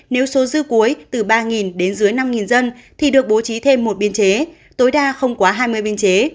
nếu số dư cuối từ ba đến dưới năm dân thì được bố trí thêm một biên chế tối đa không quá hai mươi biên chế